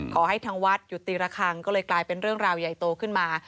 ขอให้ทางวัดหยุดตีระคังก็เลยกลายเป็นเรื่องราวใหญ่โตขึ้นมา